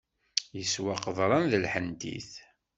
Yeswa qeḍran d lḥentit.